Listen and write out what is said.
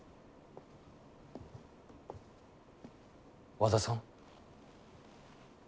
和田さん？